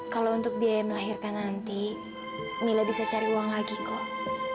kalau untuk biaya melahirkan nanti mila bisa cari uang lagi kok